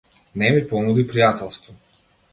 Не ми понуди пријателство.